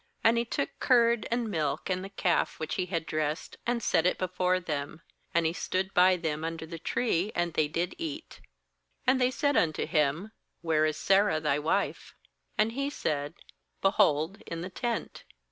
8And he took curd, and milk, and the calf which he had dressed, and set it before them; and he stood by them under the tree, and they did eat. 9And they said unto him: 'Where is Sarah thy wife?' And he said: 'Behold, in the tent.'